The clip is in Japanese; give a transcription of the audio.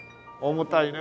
重たいね。